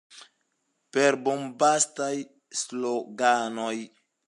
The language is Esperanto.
Per bombastaj sloganoj?